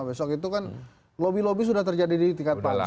besok itu kan lobby lobby sudah terjadi di tingkat panjang